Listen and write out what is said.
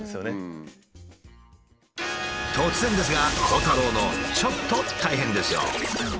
突然ですが鋼太郎のちょっと大変ですよ。